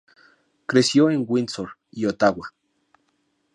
Creció en Windsor y Ottawa.